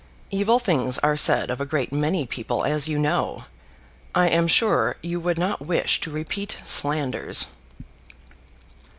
"Evil things are said of a great many people, as you know. I am sure you would not wish to repeat slanders."